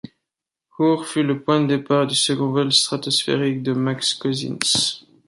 Hour fut le point de départ du second vol stratosphérique de Max Cosyns.